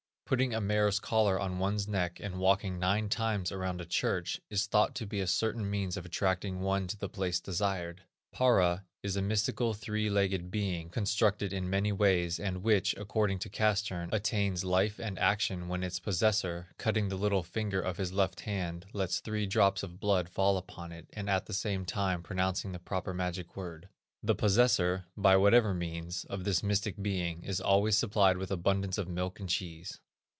Putting a mare's collar on one's neck and walking nine times around a church is thought to be a certain means of attracting one to the place desired. Para is a mystical, three legged being, constructed in many ways, and which, according to Castrén, attains life and action when its possessor, cutting the little finger of his left hand, lets three drops of blood fall upon it, and at the same time pronouncing the proper magic word. The possessor, by whatever means, of this mystic being, is always supplied with abundance of milk and cheese.